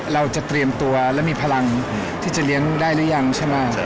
เราจะเตรียมตัวและมีพลังที่จะเลี้ยงลูกได้หรือยังใช่ไหม